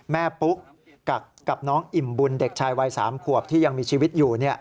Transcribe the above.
ปุ๊กกับน้องอิ่มบุญเด็กชายวัย๓ขวบที่ยังมีชีวิตอยู่